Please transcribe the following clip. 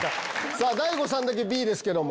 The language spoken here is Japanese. さぁ大悟さんだけＢですけども。